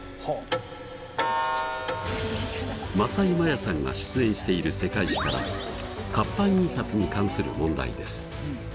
政井マヤさんが出演している「世界史」から活版印刷に関する問題です。